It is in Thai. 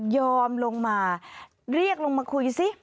ยอมลงมาเรียกลงมาคุยซิ